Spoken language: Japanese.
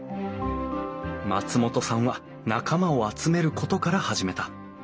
松本さんは仲間を集めることから始めた。